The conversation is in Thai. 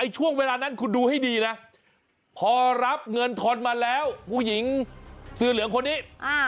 ช่วงเวลานั้นคุณดูให้ดีนะพอรับเงินทอนมาแล้วผู้หญิงเสื้อเหลืองคนนี้